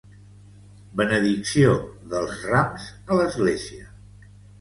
Benedicció dels rams a l'església.